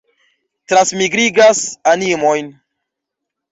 Transmigrigas animojn.